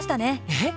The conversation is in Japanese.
えっ？